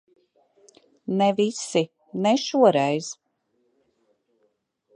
Ne visi. Ne šoreiz.